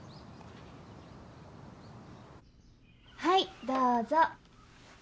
はいどうぞ。